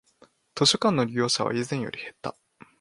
図書館の利用者は以前より減った